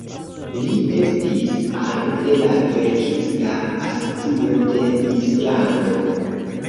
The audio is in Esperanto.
Li estis ano de la verkista asocio de Islando.